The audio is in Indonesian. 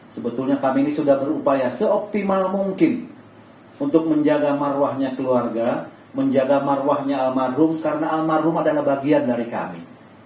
sebetulnya kami ini sudah berupaya seoptimal mungkin untuk menjaga marwahnya keluarga menjaga marwahnya almarhum karena almarhum adalah bagian dari kami